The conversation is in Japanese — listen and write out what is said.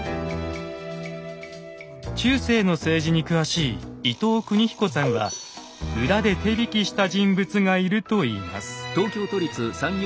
中世の政治に詳しい伊藤邦彦さんは裏で手引きした人物がいると言います。